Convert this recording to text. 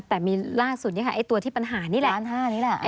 แต่มีล่าสุดนี่ค่ะตัวที่ปัญหานี่แหละ